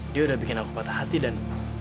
dia udah bikin aku patah hati dan